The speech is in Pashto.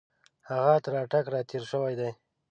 هغه تر اټک را تېر شوی دی.